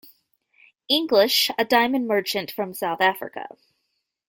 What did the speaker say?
English, a diamond merchant from South Africa.